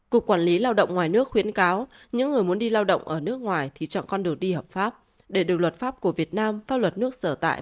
cục quản lý lao động ngoài nước khuyến cáo những người muốn đi lao động ở nước ngoài